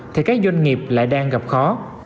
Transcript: thì các doanh nghiệp lại đang gặp khó